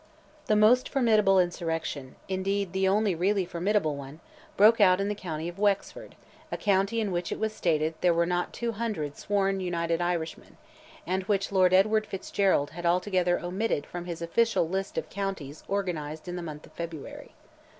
The most formidable insurrection, indeed the only really formidable one, broke out in the county of Wexford, a county in which it was stated there were not 200 sworn United Irishmen, and which Lord Edward Fitzgerald had altogether omitted from his official list of counties organized in the month of February.